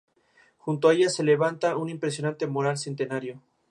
Junto a ella se levanta un impresionante moral centenario.